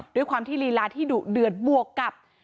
ด้วยความที่ลีลาที่ดุเดือดบวกกับ